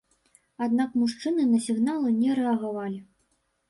Аднак мужчыны на сігналы не рэагавалі.